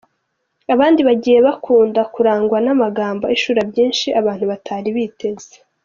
Abandi bagiye bakunda kurangwa n’amagambo ahishura byinshi abantu batari biteze.